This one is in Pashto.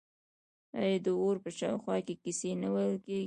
آیا د اور په شاوخوا کې کیسې نه ویل کیږي؟